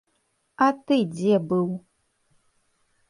А ты дзе быў?!